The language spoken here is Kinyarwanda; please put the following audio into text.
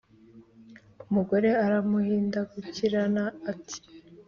umugore aramuhindukirana ati